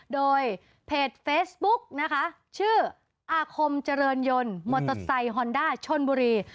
โดยเพจเฟซบุ๊กนะคะชื่ออาคมเจริญยนต์มอเตอร์ไซค์ฮอนด้าชนบุรี